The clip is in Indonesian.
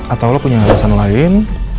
atau lo punya alasan lain